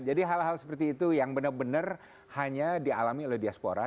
jadi hal hal seperti itu yang benar benar hanya dialami oleh diaspora